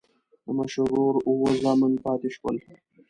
د مشر ورور اووه زامن پاتې شول.